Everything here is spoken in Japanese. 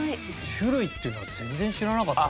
種類っていうのは全然知らなかったです。